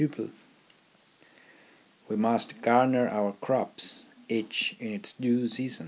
We must garner our crops each in its due season.